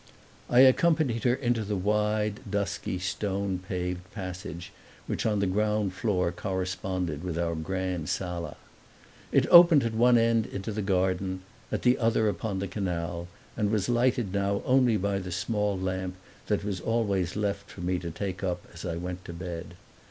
I accompanied her into the wide, dusky, stone paved passage which on the ground floor corresponded with our grand sala. It opened at one end into the garden, at the other upon the canal, and was lighted now only by the small lamp that was always left for me to take up as I went to bed.